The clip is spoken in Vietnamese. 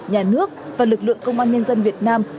nhà nước và lực lượng công an nhân dân việt nam